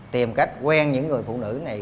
tìm cách quen những người phụ nữ này